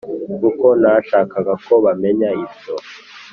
kuko ntashakaga ko bamenya ibyo